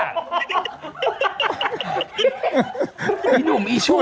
นุ่มอีชั่ว